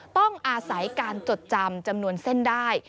ต้องอาศัยการจดจำจำนวนเส้นได้